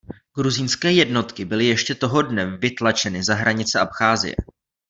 Gruzínské jednotky byly ještě toho dne vytlačeny za hranice Abcházie.